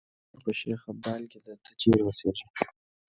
زمونږ کور په شیخ ابدال کې ده، ته چېرې اوسیږې؟